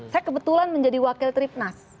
saya kebetulan menjadi wakil tripnas